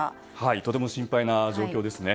とても心配な状況ですね。